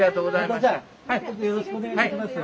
またよろしくお願いします。